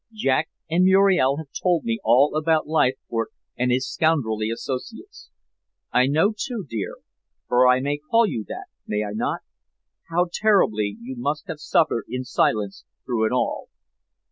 Jack and Muriel have told me all about Leithcourt and his scoundrelly associates. I know, too, dear for I may call you that, may I not? how terribly you must have suffered in silence through it all.